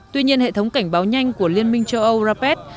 tuy nhiên hệ thống cảnh báo nhanh của liên minh châu âu rapet